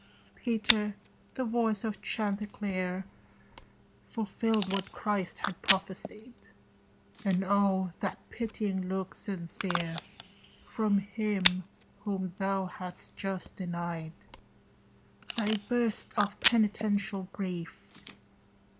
Peter, the voice of chanticleer Fulfilled what Christ had prophesied; And oh, that pitying look sincere From him whom thou hadst just denied! Thy burst of penitential grief!